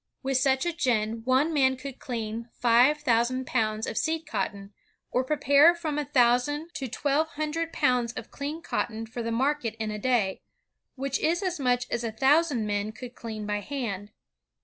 With such a gin, one man could clean five thousand pounds of seed cotton, or prepare from a thousand to twelve hundred pounds of clean cotton for the market in a day, which is as much as a thousand men could clean by hand.